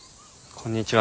こんにちは。